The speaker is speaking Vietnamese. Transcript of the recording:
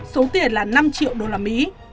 số tiền là năm triệu usd